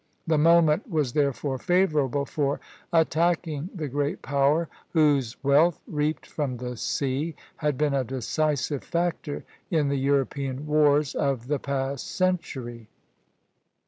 The moment was therefore favorable for attacking the great Power whose wealth, reaped from the sea, had been a decisive factor in the European wars of the past century.